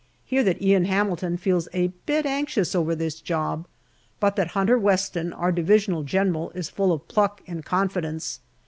Hear that Ian Hamilton feels a bit anxious over this job, but that Hunter Weston, our Divisional General, is full of pluck and confidence.